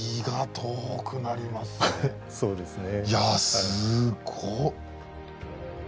いやすごっ！